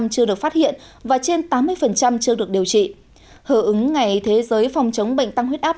chưa được phát hiện và trên tám mươi chưa được điều trị hở ứng ngày thế giới phòng chống bệnh tăng huyết áp